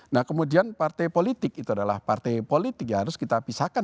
nah kemudian partai politik itu adalah partai politik ya harus kita pisahkan